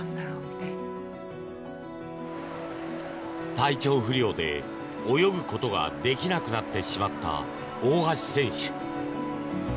体調不良で泳ぐことができなくなってしまった大橋選手。